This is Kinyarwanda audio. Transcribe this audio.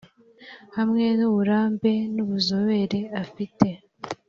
hamwe n uburambe n ubuzobere afite